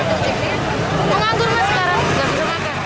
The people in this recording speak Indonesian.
menganggur mas sekarang tidak bisa makan